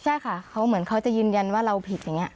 ใช่ค่ะเขาเหมือนเขาจะยืนยันว่าเราผิดอย่างนี้